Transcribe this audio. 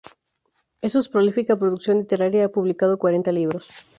En su prolífica producción literaria ha publicado cuarenta libros.